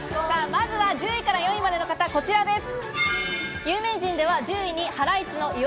まずは１０位から４位までの方、こちらです。